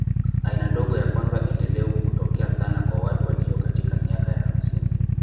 Aina ndogo ya kwanza endelevu hutokea sana kwa watu walio katika miaka ya hamsini.